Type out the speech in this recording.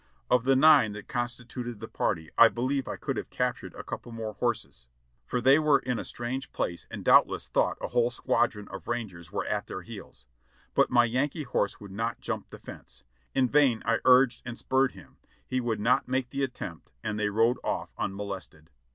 Of the nine that constituted the party, I believe I could have captured a couple more horses, for they were in a strange place and doubtless thought a whole squadron of rangers were at their heels; but my Yankee horse would not jump the fence; in vain I urged and spurred him — he would not make the attempt and they rode off unmolested.